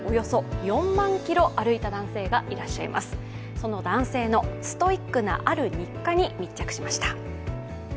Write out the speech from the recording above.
その男性のストイックなある日課に密着しました。